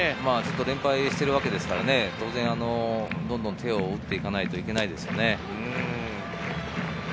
連敗しているわけですから、当然手を打っていかないといけないですよね。